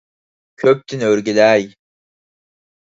«كۆپ»تىن ئۆرگىلەي!